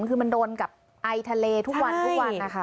คือมันโดนกับไอทะเลทุกวันค่ะ